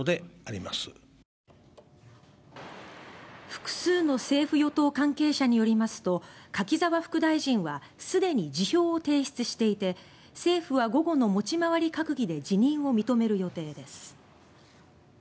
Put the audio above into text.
複数の政府・与党関係者によりますと柿沢副大臣はすでに辞表を提出していて政府は午後の持ち回り閣議で辞任を認める予定です。